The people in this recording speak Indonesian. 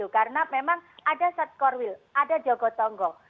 karena memang ada sat core wheel ada joko tonggo